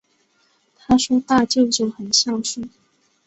她说大舅舅很孝顺